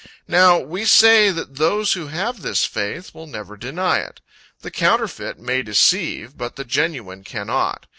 Now we say that those who have this faith, will never deny it. The counterfeit may deceive, but the genuine cannot.